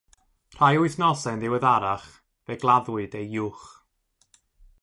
Rhai wythnosau yn ddiweddarach fe gladdwyd ei lwch.